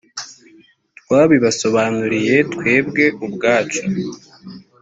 twabibasobanuriye twebwe ubwacu